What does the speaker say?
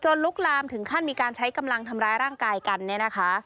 ลุกลามถึงขั้นมีการใช้กำลังทำร้ายร่างกายกันเนี่ยนะคะ